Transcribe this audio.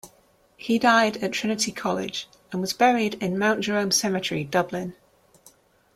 He died at Trinity college and was buried in Mount Jerome cemetery, Dublin.